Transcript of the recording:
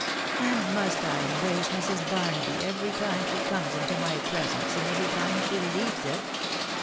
" And must I embrace Mrs. Barnaby every time she comes into my presence, and every time she leaves it?"